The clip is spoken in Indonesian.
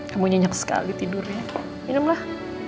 kamu nyenyak sekali tidurnya minumlah